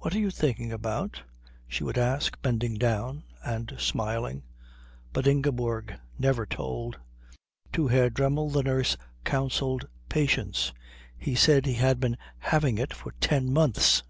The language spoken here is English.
"What are you thinking about?" she would ask, bending down and smiling. But Ingeborg never told. To Herr Dremmel the nurse counselled patience. He said he had been having it for ten months.